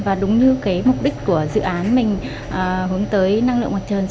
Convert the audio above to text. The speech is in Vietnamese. và đúng như cái mục đích của dự án mình hướng tới năng lượng mặt trời